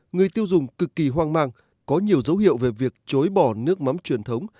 người tiêu dùng cực kỳ hoang mang có nhiều dấu hiệu về việc chối bỏ nước mắm truyền thống